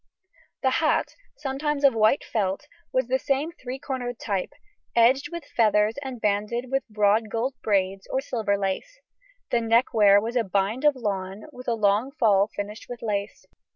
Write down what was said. ] The hat, sometimes of white felt, was the same three cornered type, edged with feathers and banded with broad gold braids or silver lace. The neckwear was a bind of lawn, with a long fall finished with lace.